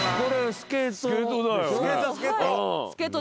スケート。